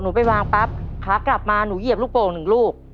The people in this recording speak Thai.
ไปวางปั๊บขากลับมาหนูเหยียบลูกโป่งหนึ่งลูก